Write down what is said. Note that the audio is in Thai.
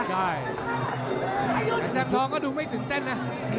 รายงนามดูไม่ถึงเต้นนะ